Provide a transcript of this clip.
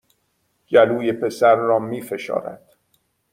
گلوی پسر را می فشارد